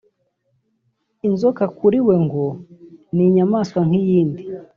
Inzoka kuri we ngo ni inyamaswa nk’iyindi